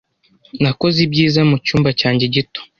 Nakoze ibyiza mucyumba cyanjye gito.